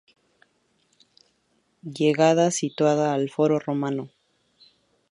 Llegada situada al Foro Romano.